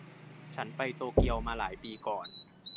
ฉันไปโตเกียวมาหลายปีก่อน